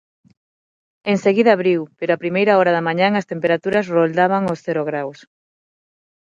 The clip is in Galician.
Enseguida abriu pero a primeira hora da mañá as temperaturas roldaban os cero graos.